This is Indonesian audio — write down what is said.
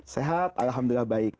sehat alhamdulillah baik